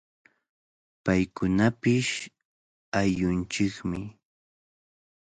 Paykunapish ayllunchikmi.